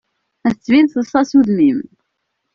Ad tbin taḍsa s udem-im.